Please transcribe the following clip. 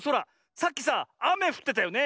さっきさあめふってたよね。